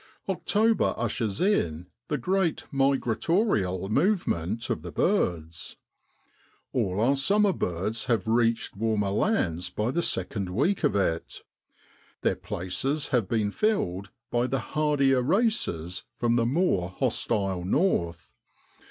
October ushers in the great migratorial movement of the birds. All our summer birds have reached warmer lands by the second week of it; their places have been filled by the hardier races from the more hostile north.